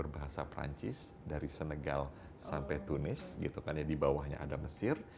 bahasa perancis dari senegal sampai tunis gitu kan ya di bawahnya ada mesir